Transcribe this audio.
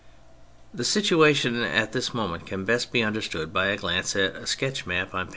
The situation at this moment can best be understood by a glance at the sketch map on p.